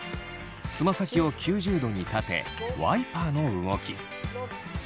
つま先を９０度に立てワイパーの動き。